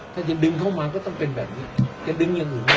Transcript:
ถ้าจะดึงเข้ามาแบบนี้อย่าต้องดึงอย่างอื่นไม่ได้